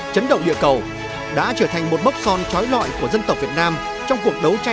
chấn động địa cầu đã trở thành một bốc son trói loại của dân tộc